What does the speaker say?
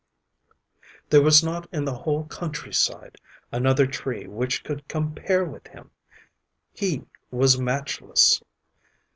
There was not in the whole country side another tree which could compare with him. He was matchless.